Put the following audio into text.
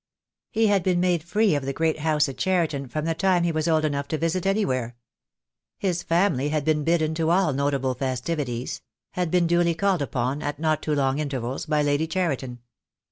He had been made free of the great house at Cheri ton from the time he was old enough to visit anywhere. His family had been bidden to all notable festivities; had 24 THE DAY WILL COME. been duly called upon, at not too long intervals, by Lady Cheriton.